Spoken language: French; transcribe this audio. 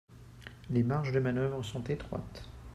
Les marges de manœuvre sont étroites.